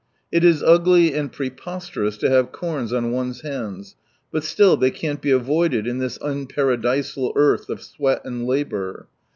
It is ugly and preposterous to have corns on one's hands, but still, they can't be avoided in this unparadisal earth of sweat and labour.